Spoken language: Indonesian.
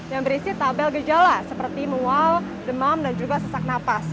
yang berisi tabel gejala seperti mual demam dan juga sesak napas